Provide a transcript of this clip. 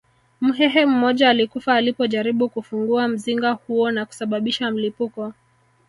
Mhehe mmoja alikufa alipojaribu kufungua mzinga huo na kusababisha mlipuko